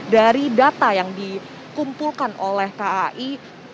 dari data yang dikumpulkan oleh t a i